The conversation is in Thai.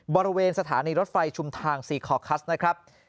บริเวณสถานีรถไฟชุมทางซีคอคัสนะครับ